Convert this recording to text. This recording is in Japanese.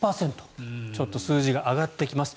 ちょっと数字が上がってきます。